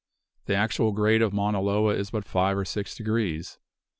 The actual grade of Mauna Loa is but five or six degrees.